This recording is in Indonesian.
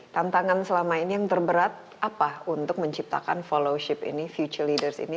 tantangan selama ini yang terberat apa untuk menciptakan followship ini future leaders ini